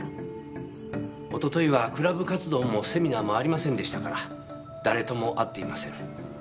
一昨日はクラブ活動もセミナーもありませんでしたから誰とも会っていません。